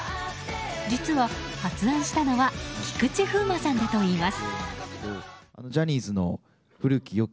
実は発案したのは菊池風磨さんだといいます。